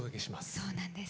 そうなんです。